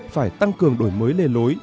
phải tăng cường đổi mới lề lối